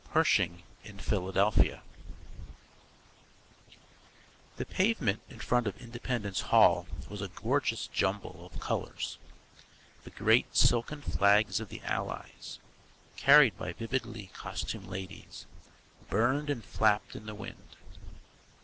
PERSHING IN PHILADELPHIA The pavement in front of Independence Hall was a gorgeous jumble of colours. The great silken flags of the Allies, carried by vividly costumed ladies, burned and flapped in the wind.